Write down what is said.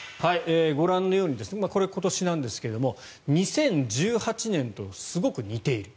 ご覧のようにこれは今年なんですが２０１８年とすごく似ている。